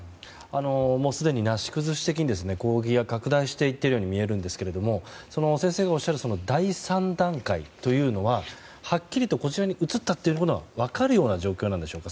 すでになし崩し的に攻撃が拡大しているように見えますが先生がおっしゃる第３段階ははっきりとこちらに移ったと分かるような状況なんでしょうか。